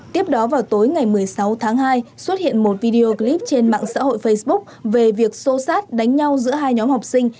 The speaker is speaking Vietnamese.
tiếp đó vào tối ngày một mươi sáu tháng hai xuất hiện một video clip trên mạng xã hội facebook về việc xô xát đánh nhau giữa hai nhóm học sinh